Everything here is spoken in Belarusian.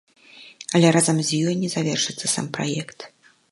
Але разам з ёй не завершыцца сам праект.